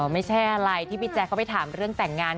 ไม่ใช่อะไรที่พี่แจ๊คเขาไปถามเรื่องแต่งงาน